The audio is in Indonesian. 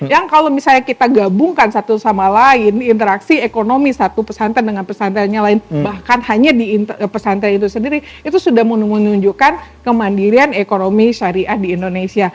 yang kalau misalnya kita gabungkan satu sama lain interaksi ekonomi satu pesantren dengan pesantrennya lain bahkan hanya di pesantren itu sendiri itu sudah menunjukkan kemandirian ekonomi syariah di indonesia